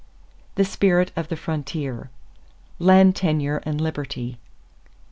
THE SPIRIT OF THE FRONTIER =Land Tenure and Liberty.